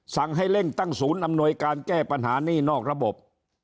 สั่งให้เร่งตั้งศูนย์อำนวยการแก้ปัญหานี่นอกระบบ